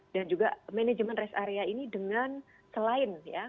dan juga manajemen rest area ini dengan selain ya